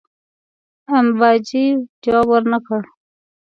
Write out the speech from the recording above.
امباجي جواب ورنه کړ.